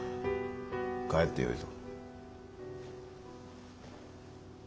帰ってよいぞ。